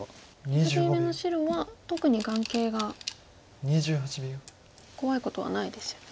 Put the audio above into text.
左上の白は特に眼形が怖いことはないですよね。